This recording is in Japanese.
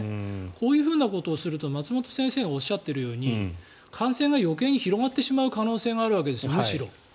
こういうことをすると松本先生がおっしゃっているように感染が余計に広がってしまう可能性があるわけです、むしろ。